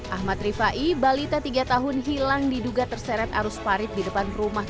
ahmad rifai balita tiga tahun hilang diduga terseret arus parit di depan rumah